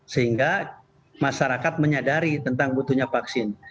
sehingga masyarakat menyadari tentang butuhnya vaksin